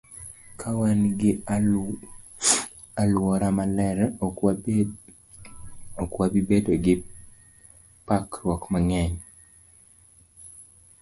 Ka wan gi alwora maler, ok wabi bedo gi parruok mang'eny.